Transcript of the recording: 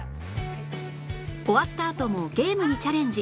終わったあともゲームにチャレンジ